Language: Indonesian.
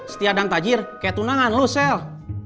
setia dan tajir kayak tunangan lu sal